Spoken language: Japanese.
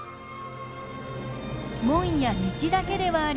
門や道だけではありません。